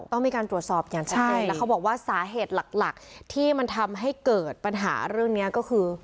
ต้องมีการตรวจสอบอย่างชัดเจนแล้วเขาบอกว่าสาเหตุหลักหลักที่มันทำให้เกิดปัญหาเรื่องนี้ก็คือ